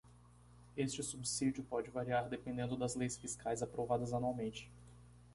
Este subsídio pode variar dependendo das leis fiscais aprovadas anualmente.